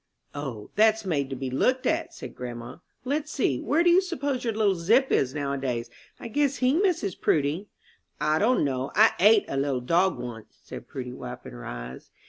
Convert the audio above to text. "O, that's made to be looked at," said grandma. "Let's see where do you suppose your little Zip is nowadays? I guess he misses Prudy." "I don' know I ate a little dog once," said Prudy, wiping her eyes.